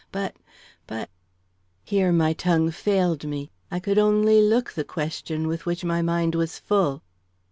But but " Here my tongue failed me. I could only look the question with which my mind was full.